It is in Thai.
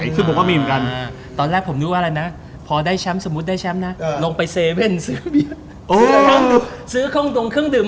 เป็นที่ไว้ไปซื้อของในเมอร์ชั่นไตรศ์ในเว็บอินเตอร์